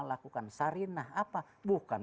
lakukan sarinah apa bukan